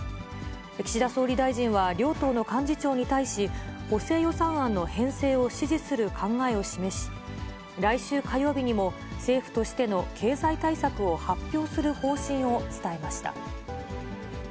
岸田総理大臣は両党の幹事長に対し、補正予算案の編成を指示する考えを示し、来週火曜日にも政府としての経済対策を発表する方針を伝えました。